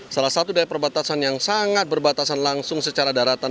salah satu dari perbatasan yang sangat berbatasan langsung secara daratan